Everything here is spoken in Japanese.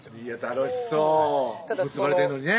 楽しそう結ばれてんのにね